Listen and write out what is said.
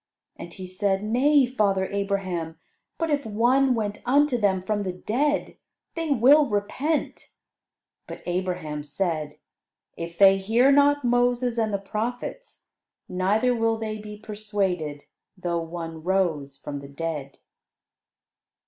And he said, "Nay, father Abraham: but if one went unto them from the dead, they will repent." But Abraham said, "If they hear not Moses and the prophets, neither will they be persuaded, though one rose from the dead."